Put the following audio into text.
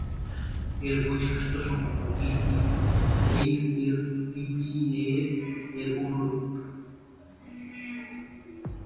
এর বৈশিষ্ট্যসমূহ ডিসি-এইচএসডিপিএ এর অনুরূপ।